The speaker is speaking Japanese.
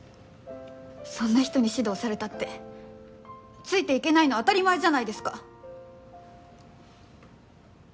そんな人に指導されたってついていけないの当たり前じゃないですか！